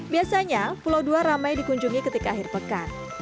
biasanya pulau dua ramai dikunjungi ketika akhir pekan